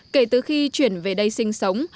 kể từ khi chuyển về đây sinh sống